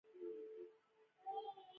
د کورنیو کثافاتو څخه کمپوسټ څنګه جوړ کړم؟